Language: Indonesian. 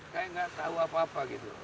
saya nggak tahu apa apa gitu